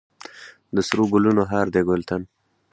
د سرو ګلونو هار دی وطن.